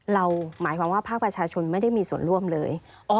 หมายความว่าภาคประชาชนไม่ได้มีส่วนร่วมเลย